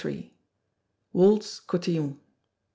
Waltz Cotillon.